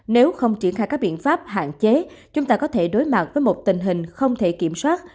nếu không triển khai các biện pháp hạn chế chúng ta có thể đối mặt với một tình hình không thể kiểm soát